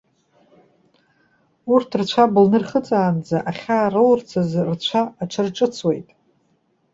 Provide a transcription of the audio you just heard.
Урҭ рцәа былны ирхыҵаанӡа, ахьаа роурц азы рцәа аҽарҿыцуеит.